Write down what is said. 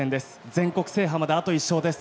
全国制覇まであと１勝です。